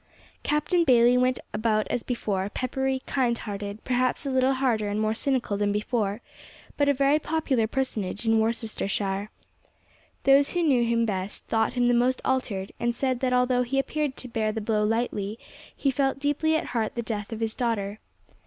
Captain Bayley went about as before, peppery, kind hearted, perhaps a little harder and more cynical than before, but a very popular personage in Worcestershire. Those who knew him best thought him the most altered, and said that although he appeared to bear the blow lightly he felt deeply at heart the death of his daughter.